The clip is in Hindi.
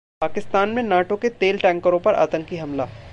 पाकिस्तान में नाटो के तेल टैंकरों पर आतंकी हमला